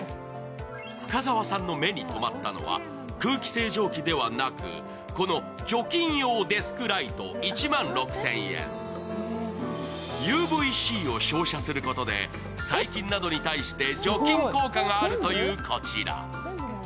深澤さんの目にとまったのは空気清浄機ではなくこの除菌用デスクライト１万６０００円ＵＶ−Ｃを照射することで細菌などに対して除菌効果があるというこちら。